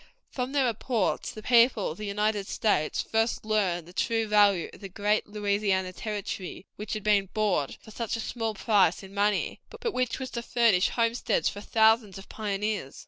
From their reports the people of the United States first learned the true value of that great Louisiana Territory, which had been bought for such a small price in money, but which was to furnish homesteads for thousands of pioneers.